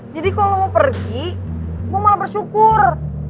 jadi kalo lo mau pergi gue malah bersyukur